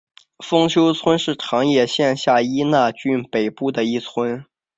丰丘村是长野县下伊那郡北部的一村。